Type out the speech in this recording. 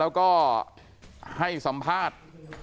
แล้วก็ให้สัมภาษณ์